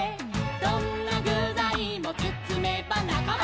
「どんなぐざいもつつめばなかま」「」